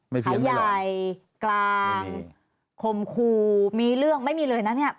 ขายใหญ่กลางคมครูมีเรื่องไม่มีเลยนะเนี่ย